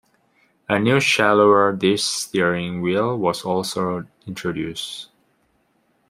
A new shallower-dish steering wheel was also introduced.